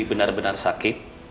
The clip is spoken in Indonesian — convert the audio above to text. jadi benar benar sakit